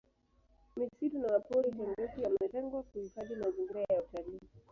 misitu na mapori tengefu yametengwa kuhifadhi mazingira ya utalii